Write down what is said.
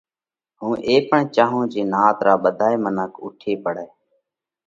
هُون اي پڻ چاهونھ جي نات را ٻڌائي منک اُوٺي پڙئہ